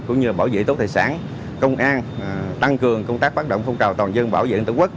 cũng như bảo vệ tốt tài sản công an tăng cường công tác phát động phong trào toàn dân bảo vệ tổ quốc